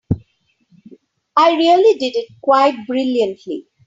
I really did it quite brilliantly.